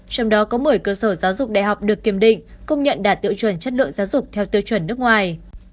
trong đó có một mươi cơ sở giáo dục đại học được kiểm định công nhận đạt tiêu chuẩn chất lượng giáo dục theo tiêu chuẩn nước ngoài